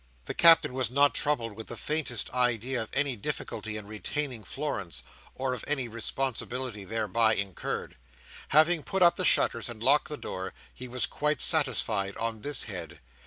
The Captain was not troubled with the faintest idea of any difficulty in retaining Florence, or of any responsibility thereby incurred. Having put up the shutters and locked the door, he was quite satisfied on this head.